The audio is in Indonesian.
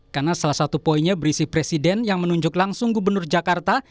karena salah satu poinnya berisi presiden yang menunjuk langsung gubernur jakarta